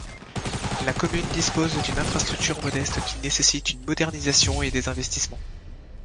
La commune dispose d'une infrastructure modeste qui nécessite une modernisation et des investissements.